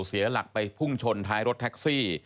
เสียหลักไปพุ่งชนท้ายรถแท็กซี่